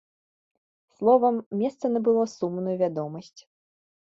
Словам, месца набыло сумную вядомасць.